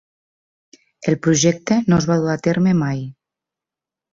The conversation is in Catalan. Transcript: El projecte no es va dur a terme mai.